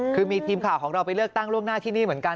คือมีทีมข่าวของเราไปเลือกตั้งล่วงหน้าที่นี่เหมือนกัน